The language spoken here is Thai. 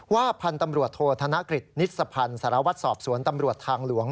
พันธุ์ตำรวจโทษธนกฤษนิสพันธ์สารวัตรสอบสวนตำรวจทางหลวง